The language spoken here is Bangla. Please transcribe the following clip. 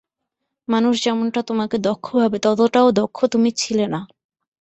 মানুষ যেমনটা তোমাকে দক্ষ ভাবে ততটাও দক্ষ তুমি ছিলে না।